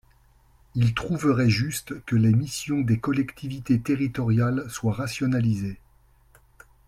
Ils trouveraient juste que les missions des collectivités territoriales soient rationalisées.